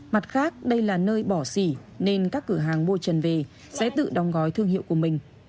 mặt khác đây là nơi bỏ xỉ nên các cửa hàng mua trần về sẽ tự đóng gói thương hiệu của mình